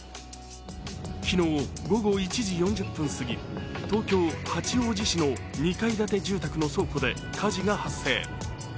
昨日午後１時４０分すぎ東京・八王子市の２階建て住宅の倉庫で火事が発生。